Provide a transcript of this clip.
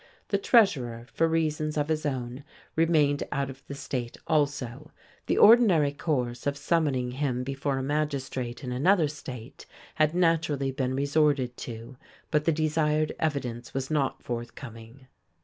The treasurer, for reasons of his own, remained out of the state also; the ordinary course of summoning him before a magistrate in another state had naturally been resorted to, but the desired evidence was not forthcoming.